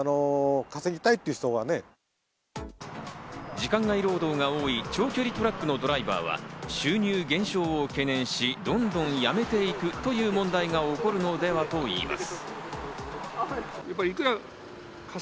時間外労働が多い長距離トラックのドライバーは収入減少を懸念し、どんどん辞めていくという問題が起こるのではと言います。